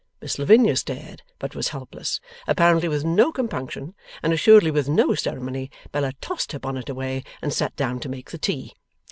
Miss Lavinia stared, but was helpless. Apparently with no compunction, and assuredly with no ceremony, Bella tossed her bonnet away, and sat down to make the tea.